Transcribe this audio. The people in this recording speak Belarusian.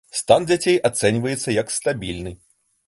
Стан дзяцей ацэньваецца як стабільны.